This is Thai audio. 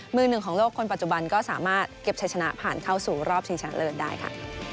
มือหนึ่งของโลกคนปัจจุบันก็สามารถเก็บใช้ชนะผ่านเข้าสู่รอบชิงชนะเลิศได้ค่ะ